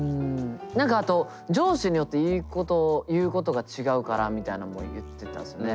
何かあと「上司によって言うことが違うから」みたいなんも言ってたっすよね。